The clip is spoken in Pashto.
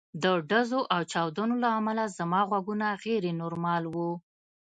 د ډزو او چاودنو له امله زما غوږونه غیر نورمال وو